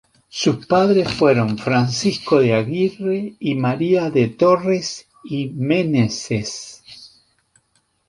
Sus padres fueron Francisco de Aguirre y María de Torres y Meneses.